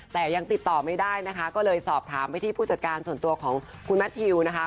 แต่ยังติดต่อไม่ได้นะคะก็เลยสอบถามไปที่ผู้จัดการส่วนตัวของคุณแมททิวนะคะ